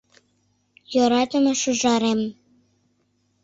Йӧратыме шӱжарем!